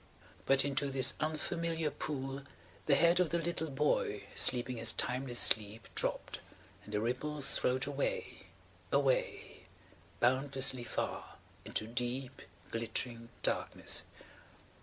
But into this unfamiliar pool the head of the little boy sleeping his timeless sleep dropped–and the ripples flowed away, away–boundlessly far–into deep glittering darkness.